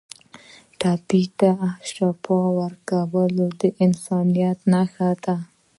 ټپي ته شفا ورکول د انسانیت نښه ده.